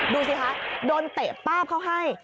ดูสิคะโดนเตะป้าบเขาให้